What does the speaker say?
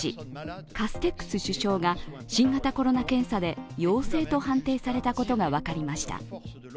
カステックス首相が新型コロナ検査で陽性と判定されたことが分かりました。